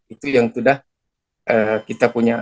itu yang sudah kita punya